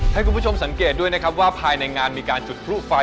ให้คุณผู้ชมสังเกตด้วยนะครับว่าภายในงานมีการจุดพลุไฟ